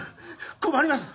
困ります！